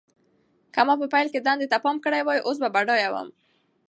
که ما په پیل کې دندې ته پام کړی وای، اوس به بډایه وم.